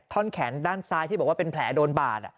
แขนด้านซ้ายที่บอกว่าเป็นแผลโดนบาด